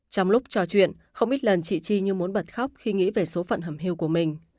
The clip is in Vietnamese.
trong lúc trò chuyện không ít lần chị chi như muốn bật khóc khi nghĩ về số phận hầm hiêu của mình